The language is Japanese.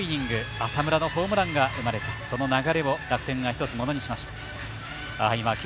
浅村のホームランが生まれてその流れを楽天が、一つものにしました。